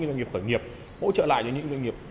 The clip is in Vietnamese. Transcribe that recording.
doanh nghiệp khởi nghiệp hỗ trợ lại cho những doanh nghiệp